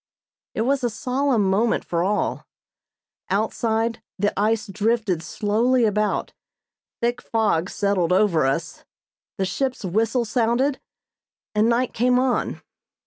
It was a solemn moment for all. Outside the ice drifted slowly about, thick fog settled over us, the ship's whistle sounded, and night came on.